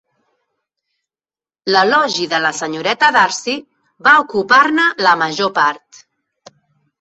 L'elogi de la senyoreta Darcy va ocupar-ne la major part.